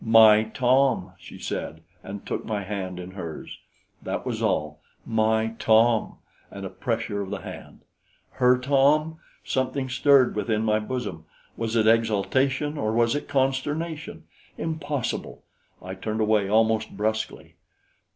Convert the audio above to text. "My Tom!" she said, and took my hand in hers. That was all "My Tom!" and a pressure of the hand. Her Tom! Something stirred within my bosom. Was it exaltation or was it consternation? Impossible! I turned away almost brusquely.